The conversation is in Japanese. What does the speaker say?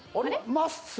まっすー。